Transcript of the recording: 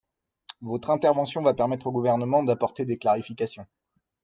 Votre intervention va permettre au Gouvernement d’apporter des clarifications.